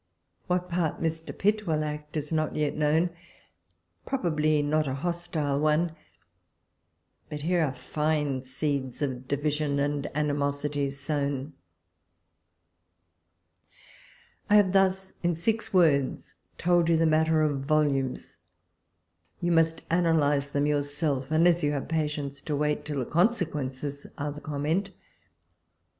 What part Mr. Pitt will act is not yet known — probably not a hostile one ; but here are fine seeds of division and animosity sown ! I have thus in six words told you the matter of volumes. You must analyse them yourself, un less you have patience to wait till the conse quences are the comment.